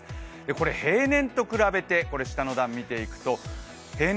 これ平年と比べて、下の段を見ていくと平年